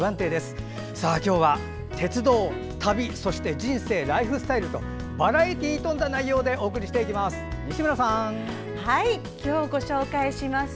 今日は鉄道、旅そして人生、ライフスタイルとバラエティーに富んだ内容でお送りします。